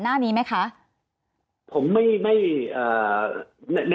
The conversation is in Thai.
สวัสดีครับทุกคน